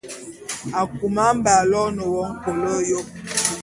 Akôma-Mba aloene wo nkôl yôp.